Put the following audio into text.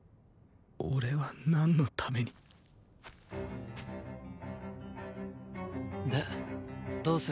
俺はなんのためにでどうする？